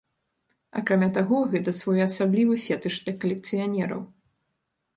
Акрамя таго гэта своеасаблівы фетыш для калекцыянераў.